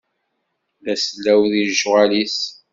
D asellaw di lecɣal-is.